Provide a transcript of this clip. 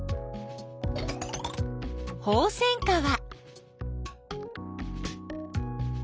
ホウセンカは。